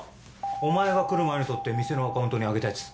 お前が来る前に撮って店のアカウントに上げたやつ。